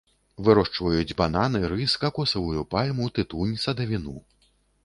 Вырошчваюць бананы, рыс, какосавую пальму, тытунь, садавіну.